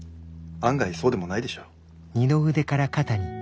案外そうでもないでしょ？